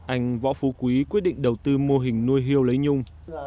anh võ phú quý quyết định đầu tư mô hình nuôi hiêu lấy nhung